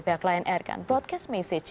pihak lion air kan broadcast message